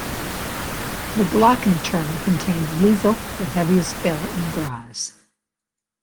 The "Glockenturm" contains "Liesl", the heaviest bell in Graz.